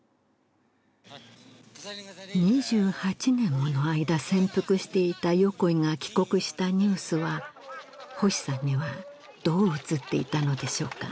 ２８年もの間潜伏していた横井が帰国したニュースは星さんにはどう映っていたのでしょうかだから